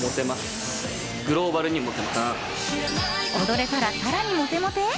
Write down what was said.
踊れたら、更にモテモテ？